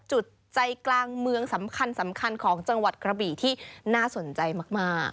จุดใจกลางเมืองสำคัญสำคัญของจังหวัดกระบี่ที่น่าสนใจมาก